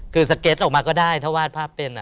คือสเก็ตออกมาก็ได้ถ้าวาดภาพเป็น